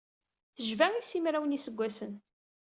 Tejba i simraw n yiseggasen.